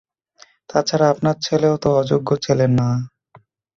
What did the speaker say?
তা ছাড়া আপনার ছেলেও তো অযোগ্য ছেলে না।